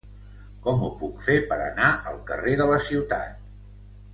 Com ho puc fer per anar al carrer de la Ciutat?